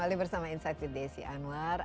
kembali bersama insight with desi anwar